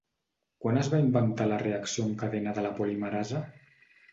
Quan es va inventar la reacció en cadena de la polimerasa?